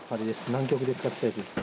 南極で使ってたやつです。